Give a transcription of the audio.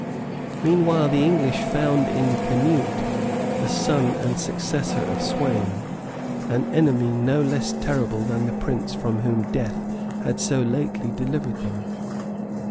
Meanwhile the English found in Canute, the son and successor of Sweyn, an enemy no less terrible than the prince from whom death had so lately delivered them.